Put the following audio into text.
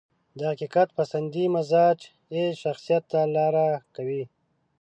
د حقيقت پسندي مزاج يې شخصيت ته لاره کوي.